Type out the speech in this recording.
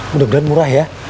mudah mudahan murah ya